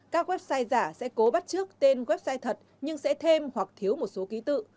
các website giả sẽ cố bắt trước tên website thật nhưng sẽ thêm hoặc thiếu một số ký tự